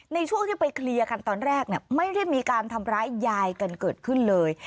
ในช่วงที่ไปเคลียร์กันตอนแรกไม่ได้มีการทำร้ายยายกันเกิดขึ้นเลย